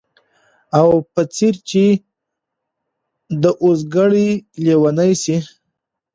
او په څېر چي د اوزګړي لېونی سي